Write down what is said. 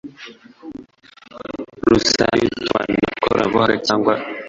rusange w itumanaho koranabuhanga cyangwa